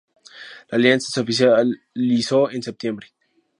La alianza se oficializó en septiembre.